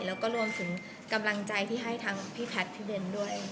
แล้วก็รวมถึงกำลังใจที่ให้ทางพี่แพทย์พี่เบนด้วย